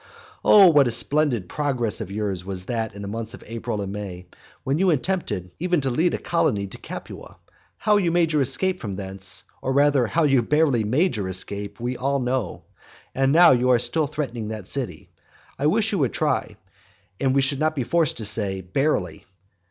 Oh what a splendid progress of yours was that in the months of April and May, when you attempted even to lead a colony to Capua! How you made your escape from thence, or rather how you barely made your escape, we all know. And now you are still threatening that city. I wish you would try, and we should not then be forced to say "barely."